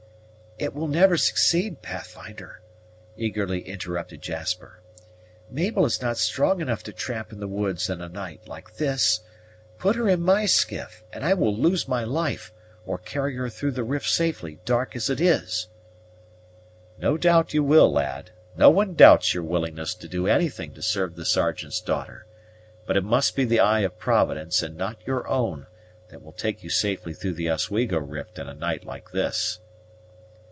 "It will never succeed, Pathfinder," eagerly interrupted Jasper. "Mabel is not strong enough to tramp the woods in a night like this. Put her in my skiff, and I will lose my life, or carry her through the rift safely, dark as it is." "No doubt you will, lad; no one doubts your willingness to do anything to serve the Sergeant's daughter; but it must be the eye of Providence, and not your own, that will take you safely through the Oswego rift in a night like this."